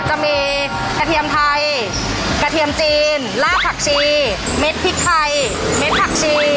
จะมีกระเทียมไทยกระเทียมจีนลาบผักชีเม็ดพริกไทยเม็ดผักชี